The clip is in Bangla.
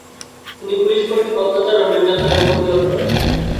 তিনি পুলিশ কর্তৃক অত্যাচার ও নির্যাতনের প্রতিবাদ করেন।